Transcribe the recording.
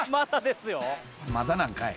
まだなんかい。